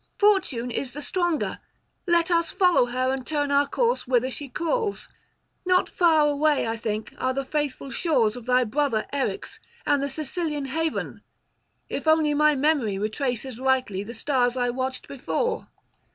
Fortune is the stronger; let us follow her, and turn our course whither she calls. [23 55]Not far away, I think, are the faithful shores of thy brother Eryx, and the Sicilian haven, if only my memory retraces rightly the stars I watched before.'